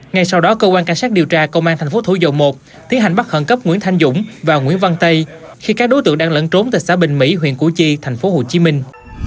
ngay sau đó cơ quan cảnh sát điều tra công an thành phố thủ dầu một tiến hành bắt khẩn cấp nguyễn thanh dũng và nguyễn văn tây khi các đối tượng đang lẫn trốn tại xã bình mỹ huyện củ chi thành phố hồ chí minh